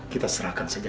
kita serahkan saja